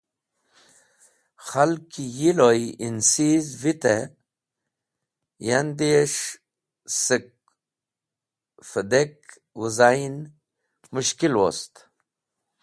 Khalg ki yi loy ensiz vitẽ andish sẽk vẽdek wezayn mushkil wost.